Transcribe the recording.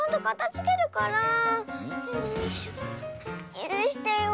ゆるしてよ。